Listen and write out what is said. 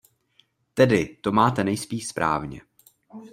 Tedy to máte nejspíš správně.